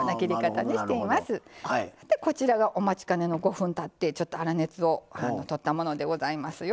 こちらがお待ちかねの５分たって粗熱をとったものでございますよ。